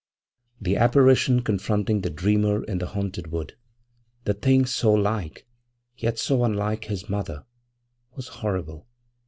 IIIThe apparition confronting the dreamer in the haunted wood the thing so like, yet so unlike, his mother was horrible!